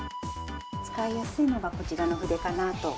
使いやすいのがこちらの筆かなと。